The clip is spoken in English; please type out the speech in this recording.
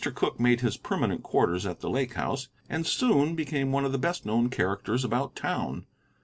Cooke made his permanent quarters at the Lake House, and soon became one of the best known characters about town.